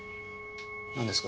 何ですか？